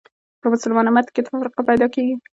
په مسلمان امت کې تفرقه پیدا کړې